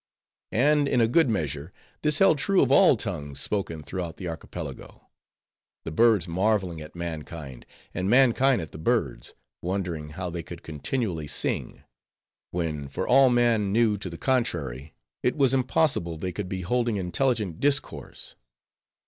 And, in a good measure, this held true of all tongues spoken throughout the Archipelago; the birds marveling at mankind, and mankind at the birds; wondering how they could continually sing; when, for all man knew to the contrary, it was impossible they could be holding intelligent discourse.